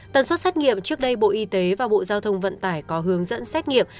tần suất xét nghiệm trước đây bộ y tế và bộ giao thông vận tải có hướng dẫn xét nghiệm